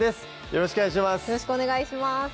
よろしくお願いします